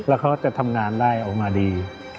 แล้วเขาจะทำงานได้ออกมาดี